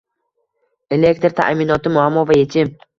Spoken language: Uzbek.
Elektr ta’minoti: muammo va yechim